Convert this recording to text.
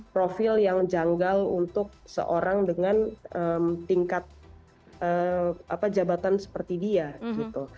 profil yang janggal untuk seorang dengan tingkat jabatan seperti dia gitu